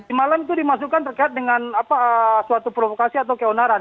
di malam itu dimasukkan terkait dengan suatu provokasi atau keonaran